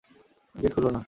Gate খুলল না।